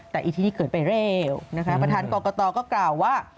แต่อีที่นี่เกิดไปเร็วนะคะประธานกรกตก็กล่าวว่า